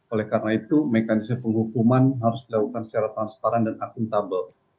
oleh karena itu mekanisme penghukuman harus dilakukan secara transparan dan akuntabel